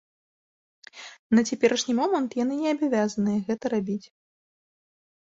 На цяперашні момант яны не абавязаныя гэта рабіць.